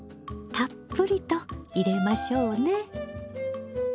たっぷりと入れましょうね。